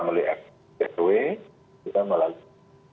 melihat that way kita melalui